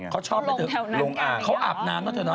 เขาชอบไปเจอเขาอาบน้ำเจอเถอะเนอะ